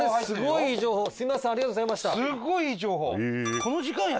すごいいい情報。